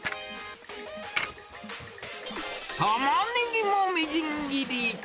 タマネギもみじん切り。